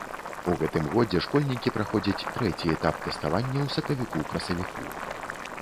У гэтым годзе школьнікі праходзяць трэці этап тэставання ў сакавіку-красавіку.